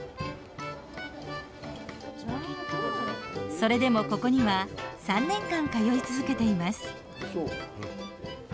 それでもここには３年間通い続けています。